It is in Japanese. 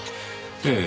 ええ。